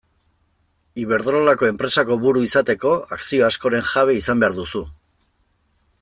Iberdrolako enpresako buru izateko akzio askoren jabe izan behar duzu.